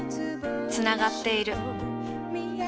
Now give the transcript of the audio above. つながっている。